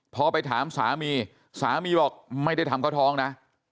พอไปถามสามีสามีบอกไม่ได้ทำเขาท้องนะ